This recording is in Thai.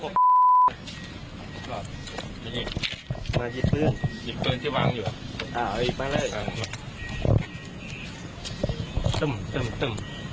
พี่นี่หยิบเปลืองที่วางอยู่